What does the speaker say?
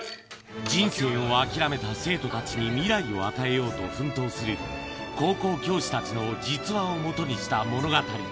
人生を諦めた生徒たちに未来を与えようと奮闘する、高校教師たちのじつわをもとにした物語。